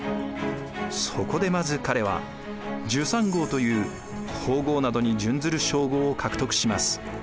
そこでまず彼は准三后という皇后などに準ずる称号を獲得します。